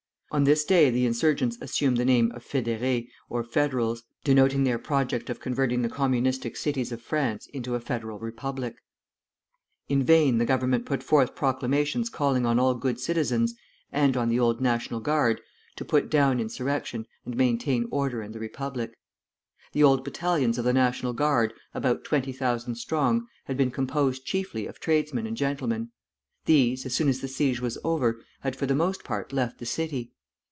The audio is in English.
On this day the insurgents assumed the name of "Fédérés," or Federals, denoting their project of converting the communistic cities of France into a Federal Republic. In vain the Government put forth proclamations calling on all good citizens, and on the Old National Guard, to put down insurrection and maintain order and the Republic. The Old Battalions of the National Guard, about twenty thousand strong, had been composed chiefly of tradesmen and gentlemen; these, as soon as the siege was over, had for the most part left the city.